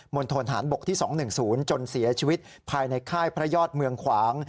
ณฑนฐานบกที่๒๑๐จนเสียชีวิตภายในค่ายพระยอดเมืองขวาง